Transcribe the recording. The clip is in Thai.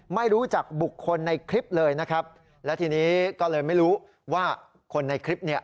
ไม่รู้จักบุคคลในคลิปเลยนะครับและทีนี้ก็เลยไม่รู้ว่าคนในคลิปเนี่ย